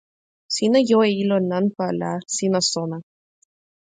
sina jo e ilo nanpa, la sina sona.